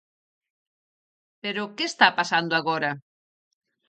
Pero, ¿que está pasando agora?